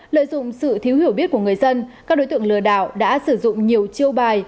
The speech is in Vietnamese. lợi dụng sự thiếu hiểu biết của người dân các đối tượng lừa đảo đã sử dụng nhiều chiêu bài